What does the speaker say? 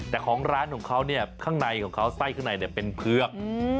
แต่ของร้านของเขาเนี่ยข้างในของเขาไส้ข้างในเป็นเผือก